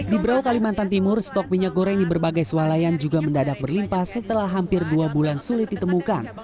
di brau kalimantan timur stok minyak goreng di berbagai sualayan juga mendadak berlimpah setelah hampir dua bulan sulit ditemukan